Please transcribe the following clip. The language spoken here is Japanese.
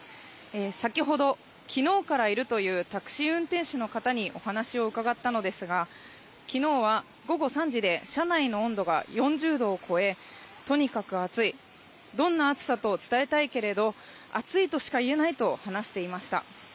先ほど、昨日からいるというタクシー運転手の方にお話を伺ったのですが昨日は午後３時で車内の温度が４０度を超えとにかく暑いどんな暑さと伝えたいけれど暑いとしか言えないと話していました。